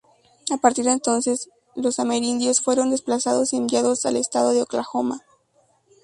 A partir de entonces, los amerindios fueron desplazados y enviados al estado de Oklahoma.